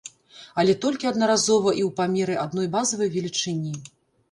Але толькі аднаразова і ў памеры адной базавай велічыні.